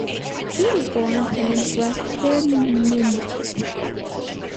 He was born in Rethymno.